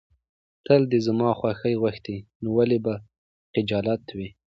تل د زما خوښي غوښتې، نو ولې به خجالت وې.